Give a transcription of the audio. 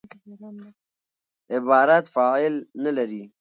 عبارت فاعل نه لري.